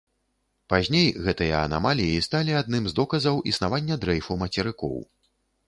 Пазней гэтыя анамаліі сталі адным з доказаў існавання дрэйфу мацерыкоў.